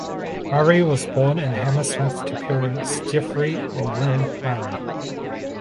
Murray was born in Hammersmith to parents Geoffrey and Lynne Murray.